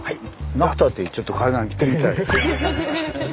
なくたってちょっと海岸行ってみたい。